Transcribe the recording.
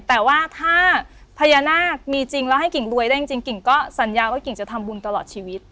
แต่ว่าถ้าพญานาคมีจริงแล้วให้กิ่งรวยได้จริงกิ่งก็สัญญาว่ากิ่งจะทำบุญตลอดชีวิต